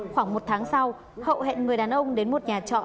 khoảng một tháng sau hậu hẹn người đàn ông đến một nhà trọ